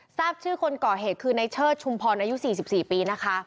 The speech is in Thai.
ทราบชื่อคนก่อเหตุคือในเชิดชุมพรอายุ๔๔ปีนะคะ